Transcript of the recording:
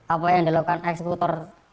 apa yang dilakukan eksekutor